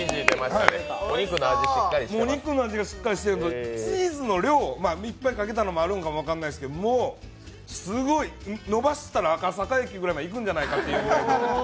お肉の味がしっかりしてるのでチーズの量、いっぱいかけたのもあると思うんですけどすごい、伸ばしたら赤坂駅くらいまで行くんじゃないかという。